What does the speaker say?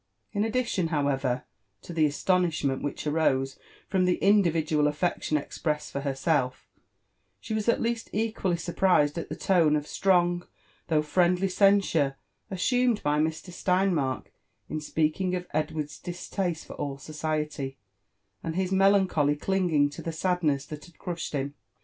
In addition, however, to the astonishment which arose from the individual affection expressed for herself, she was at least equally surprised at the tone of strong though friendly censure assumed by Mr. Steinmark in speaking of Edward's distaste for all so ciety, and his melancholy clinging to the sadness that had crushed him.